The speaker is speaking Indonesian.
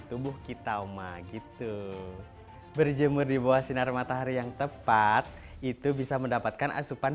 tubuh kita mah gitu berjemur di bawah sinar matahari yang tepat itu bisa mendapatkan asupan